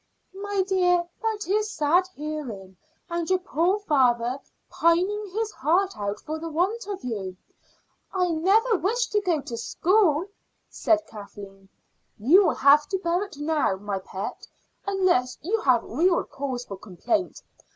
"My dear, that is sad hearing; and your poor father pining his heart out for the want of you." "I never wished to go to school," said Kathleen. "You will have to bear it now, my pet, unless you have real cause for complaint.